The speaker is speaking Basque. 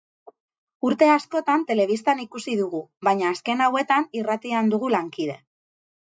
Urte askotan telebistan ikusi dugu, baina azken hauetan irratian dugu lankide.